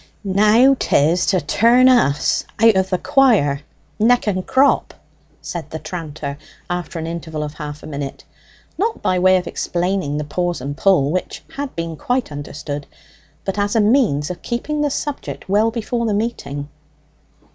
"Now 'tis to turn us out of the quire neck and crop," said the tranter after an interval of half a minute, not by way of explaining the pause and pull, which had been quite understood, but as a means of keeping the subject well before the meeting.